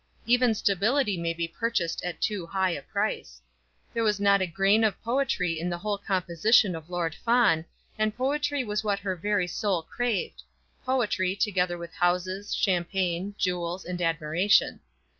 Even stability may be purchased at too high a price. There was not a grain of poetry in the whole composition of Lord Fawn, and poetry was what her very soul craved; poetry, together with houses, champagne, jewels, and admiration.